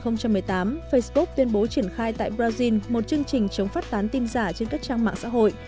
năm hai nghìn một mươi tám facebook tuyên bố triển khai tại brazil một chương trình chống phát tán tin giả trên các trang mạng xã hội